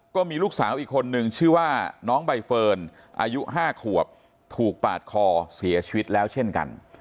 ก็มีลูกสาวอีกคนนึงชื่อว่าน้องใบเฟิร์นอายุ๕ขวบถูกปาดคอเสียชีวิตแล้วเช่นกัน